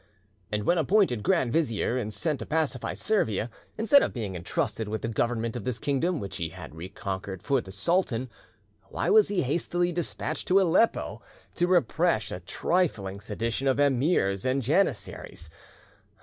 And, when appointed Grand Vizier and sent to pacify Servia, instead of being entrusted with the government of this kingdom which he had reconquered for the sultan, why was he hastily despatched to Aleppo to repress a trifling sedition of emirs and janissaries?